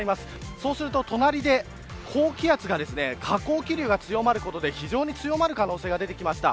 そうすると隣で高気圧が下降気流が強まることで非常に強まる可能性が出てきました。